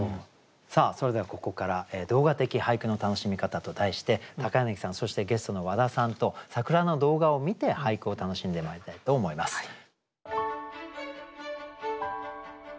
さあそれではここから「動画的俳句の楽しみ方」と題して柳さんそしてゲストの和田さんと桜の動画を観て俳句を楽しんでまいりたいと思います。